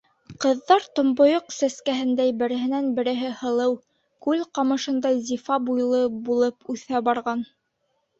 Ҡыҙҙар томбойоҡ сәскәһендәй береһенән-береһе һылыу, күл ҡамышындай зифа буйлы булып үҫә барған.